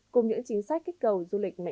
cùng những chính sách kích cầu du lịch mạnh mẽ